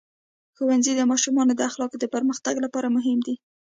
ښوونځی د ماشومانو د اخلاقو د پرمختګ لپاره مهم دی.